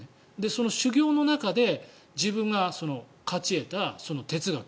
その修行の中で自分が勝ち得た哲学。